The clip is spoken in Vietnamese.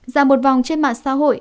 dạng một vòng trên mạng xã hội